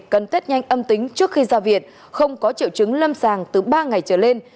cần tết nhanh âm tính trước khi ra viện không có triệu chứng lâm sàng từ ba ngày trở lên